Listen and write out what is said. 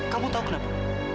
kamu tahu kenapa